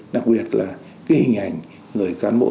đặc biệt là hình ảnh người cán bộ